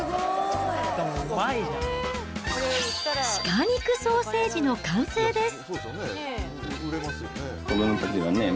鹿肉ソーセージの完成です。